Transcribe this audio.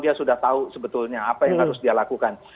dia sudah tahu sebetulnya apa yang harus dia lakukan